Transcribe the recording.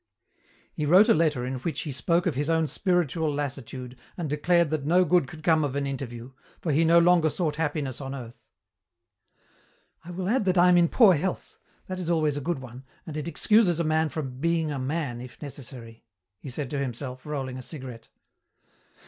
He wrote a letter in which he spoke of his own spiritual lassitude and declared that no good could come of an interview, for he no longer sought happiness on earth. "I will add that I am in poor health. That is always a good one, and it excuses a man from 'being a man' if necessary," he said to himself, rolling a cigarette.